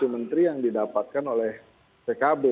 menteri yang didapatkan oleh pkb